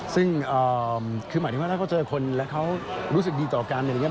ซึ่งคือหมายถึงว่าถ้าเขาเจอคนแล้วเขารู้สึกดีต่อกันอะไรอย่างนี้